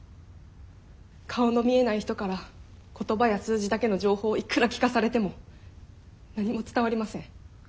顔の見えない人から言葉や数字だけの情報をいくら聞かされても何も伝わりません。